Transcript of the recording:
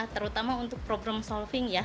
terutama untuk program solving ya